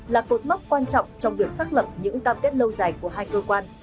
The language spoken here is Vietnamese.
là cột mốc quan trọng trong việc xác lập những cam kết lâu dài của hai cơ quan